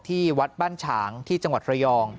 ที่วัดบ้านฉางที่จังหวัดระยอง